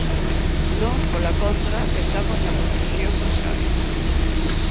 Nós, pola contra, estamos na posición contraria.